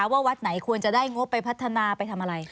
ว่าวัดไหนควรจะได้งบไปพัฒนาไปทำอะไร